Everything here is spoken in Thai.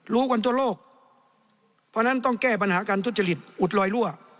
รู้กันทั่วโลกเพราะฉะนั้นต้องแก้ปัญหาการทุจริตอุดลอยรั่ว